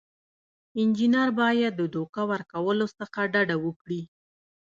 انجینر باید د دوکه ورکولو څخه ډډه وکړي.